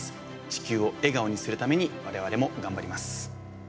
地球を笑顔にするために我々も頑張ります。